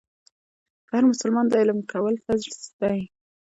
پر هر مسلمان د علم کول فرض دي.